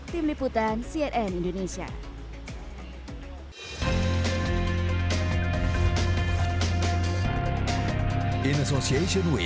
tim liputan cnn indonesia